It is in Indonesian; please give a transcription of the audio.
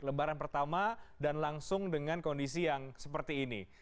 lebaran pertama dan langsung dengan kondisi yang seperti ini